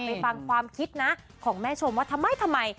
ฟังความคิดนะของแม่ชมว่าทำไมทำไม